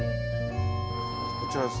こちらです。